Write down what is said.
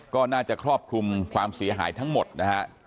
ก็น่าจะครอบคลุมความเสียหายทั้งหมดนะฮะ